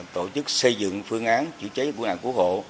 tổ chức xây dựng phương án chế cháy của quân hạng của hộ